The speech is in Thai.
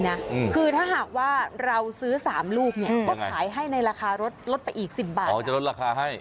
นักข่าวเราบอกชอบขอ๕